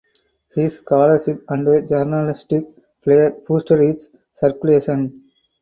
His scholarship and journalistic flair boosted its circulation.